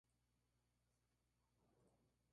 Aquí empieza el juego.